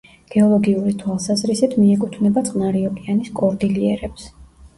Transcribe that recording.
გეოლოგიური თვალსაზრისით მიეკუთვნება წყნარი ოკეანის კორდილიერებს.